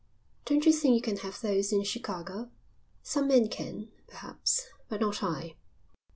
"Don't you think you can have those in Chicago?" "Some men can, perhaps, but not I."